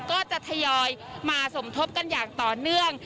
ก็จะทยอยมาสมทบกันอย่างต่อเนื่อง